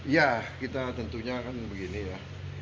ya kita tentunya kan begini ya